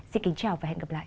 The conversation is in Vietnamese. xin kính chào và hẹn gặp lại